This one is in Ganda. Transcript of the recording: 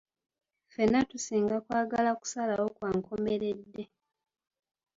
Ffenna tusinga kwagala kusalawo kwa nkomeredde.